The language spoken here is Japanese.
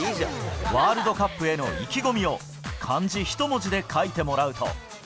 ワールドカップへの意気込みを、漢字一文字で書いてもらうと。